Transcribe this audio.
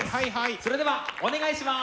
それではお願いします。